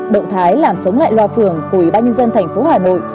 động thái làm sống lại loa phường của ủy ban nhân dân thành phố hà nội